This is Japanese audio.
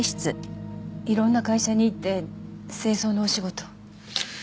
いろんな会社に行って清掃のお仕事を。